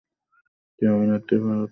তিনি অভিনেত্রী ভারতী দেবীকে বিয়ে করেছিলেন।